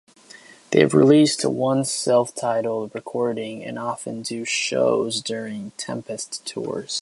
They have released one self-titled recording and often do shows during Tempest tours.